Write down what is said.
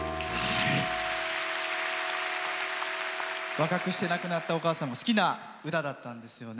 若くして亡くなったお母さんの好きな歌だったんですよね。